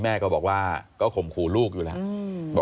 แม่ก็บอกว่าก็ข่มขู่ลูกอยู่แล้ว